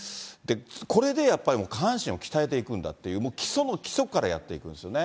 これでやっぱり下半身を鍛えていくんだって、もう基礎の基礎からやっていくんですよね。